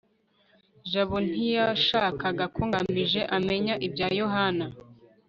jabo ntiyashakaga ko ngamije amenya ibya yohana